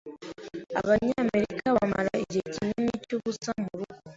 Abanyamerika bamara igihe kinini cyubusa murugo.